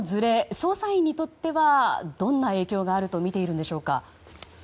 捜査員にとってはどんな影響があるとみているんでしょうか？